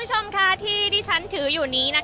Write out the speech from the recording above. อาจจะออกมาใช้สิทธิ์กันแล้วก็จะอยู่ยาวถึงในข้ามคืนนี้เลยนะคะ